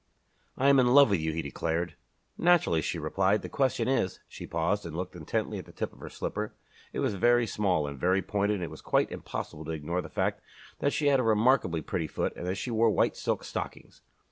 "I am in love with you," he declared. "Naturally," she replied. "The question is " She paused and looked intently at the tip of her slipper. It was very small and very pointed and it was quite impossible to ignore the fact that she had a remarkably pretty foot and that she wore white silk stockings.